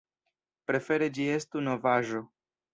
Prefere ĝi estu novaĵo.